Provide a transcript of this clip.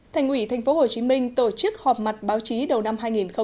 thành ủy tp hcm tổ chức họp mặt báo chí đầu năm hai nghìn một mươi chín